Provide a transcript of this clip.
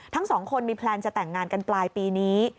ทั้งสองคนมีแพลนจะแต่งงานกันปลายปีนี้